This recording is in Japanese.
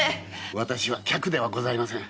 私は客ではありません。